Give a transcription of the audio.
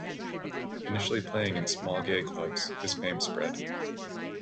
Initially playing in small gay clubs, his fame spread.